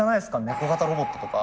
猫型ロボットとか。